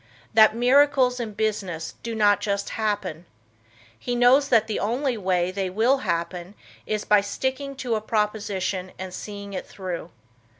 That "miracles," in business do not just "happen." He knows that the only way they will happen is by sticking to a proposition and seeing it through.